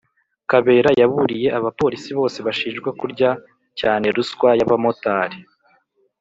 Kabera yaburiye abapolisi bose bashinjwa kurya cyane ruswa y’abamotari